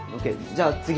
じゃあ次。